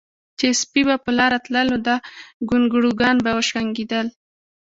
چې سپي به پۀ لاره تلل نو دا ګونګروګان به شړنګېدل